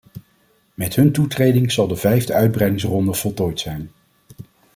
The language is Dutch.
Met hun toetreding zal de vijfde uitbreidingsronde voltooid zijn.